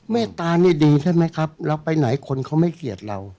เมตตานี่ดีใช่ไหมครับเราไปไหนคนเขาไม่เกลียดเรา